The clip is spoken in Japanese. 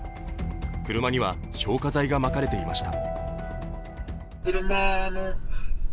車には消火剤がまかれていました。